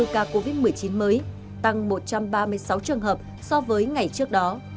một trăm chín mươi bốn ca covid một mươi chín mới tăng một trăm ba mươi sáu trường hợp so với ngày trước đó